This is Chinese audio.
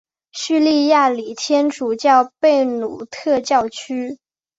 叙利亚礼天主教贝鲁特教区。